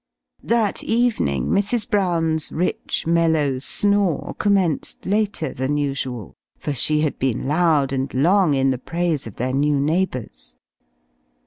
That evening Mrs. Brown's rich mellow snore commenced later than usual for she had been loud and long in the praise of their new neighbours.